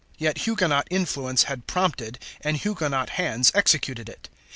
Yet Huguenot influence had prompted and Huguenot hands executed it.